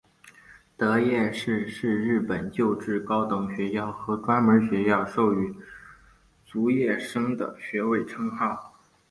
得业士是日本旧制高等学校和专门学校授与卒业生的学位称号。